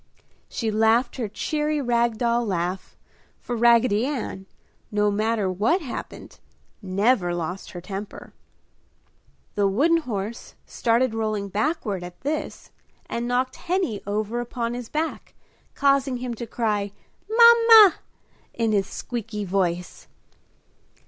She laughed her cheery rag doll laugh, for Raggedy Ann, no matter what happened, never lost her temper. The wooden horse started rolling backward at this and knocked Henny over upon his back, causing him to cry "Mama!" in his squeeky voice.